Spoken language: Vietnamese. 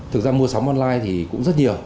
thực ra mua sóng online thì cũng rất nhiều